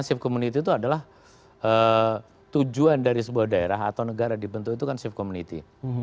safe community itu adalah tujuan dari sebuah daerah atau negara dibentuk itu kan safe community